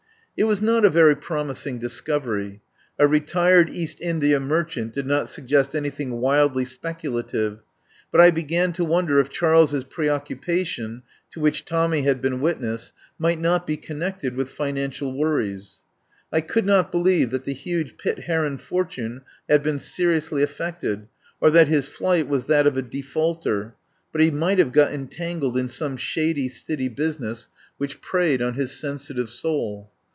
It was not a very promising discovery. A retired East India merchant did not suggest anything wildly speculative, but I began to wonder if Charles's preoccupation, to which Tommy had been witness, might not be con nected with financial worries. I could not believe that the huge Pitt Heron fortune had been seriously affected, or that his flight was that of a defaulter, but he might have got en tangled in some shady city business which 36 I FIRST HEAR OF ANDREW LUMLEY preyed on his sensitive soul.